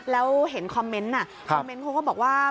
แล้วเห็นคอมเมนต์คอมเมนต์เขาก็บอกว่า